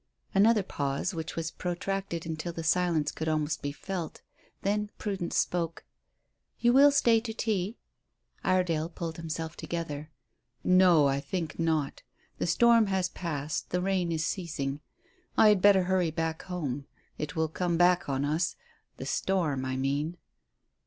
Another pause, which was protracted until the silence could almost be felt. Then Prudence spoke. "You will stay to tea?" Iredale pulled himself together. "No, I think not. The storm has passed, the rain is ceasing. I had better hurry back home. It will come back on us the storm, I mean."